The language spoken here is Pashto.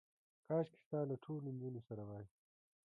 کاشکې ستا له ټولو نجونو سره وای.